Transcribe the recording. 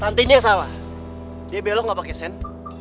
tante nya salah dia belok gak pakai sen